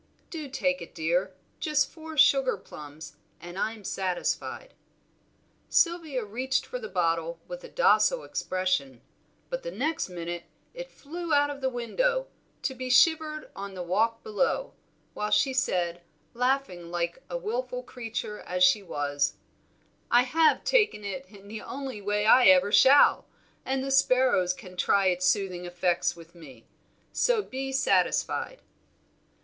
Do take it, dear; just four sugar plums, and I'm satisfied." Sylvia received the bottle with a docile expression; but the next minute it flew out of the window, to be shivered on the walk below, while she said, laughing like a wilful creature as she was "I have taken it in the only way I ever shall, and the sparrows can try its soothing effects with me; so be satisfied."